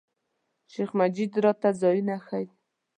شیخ مجید راته ځایونه ښیي.